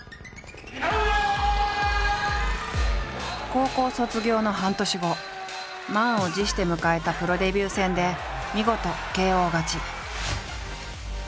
高校卒業の半年後満を持して迎えたプロデビュー戦で見事ＫＯ勝ち。